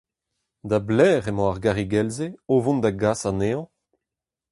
Da belec'h emañ ar garrigell-se o vont da gas anezhañ ?